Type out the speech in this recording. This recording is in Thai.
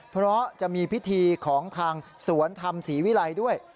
เพราะจะมีพิธีของทางสวนธรรมศรีวิรัยด้วย